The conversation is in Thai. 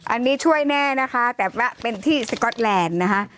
อันนี้ช่วยแน่นะคะแต่ว่าเป็นที่สก๊อตแลนด์นะคะ